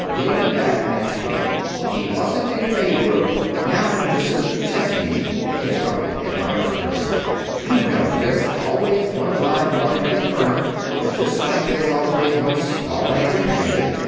He'll be back next week. He wasn't in favor of " "Now, Mrs. McChesney," interrupted Ed Meyers nervously, "you know there's always one live one in every firm, just like there's always one star in every family.